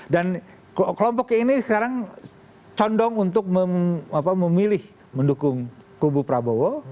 dan kelompok ini sekarang condong untuk memilih mendukung kubu prabowo